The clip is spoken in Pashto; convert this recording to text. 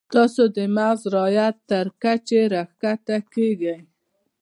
تاسو د محض رعیت تر کچې راښکته کیږئ.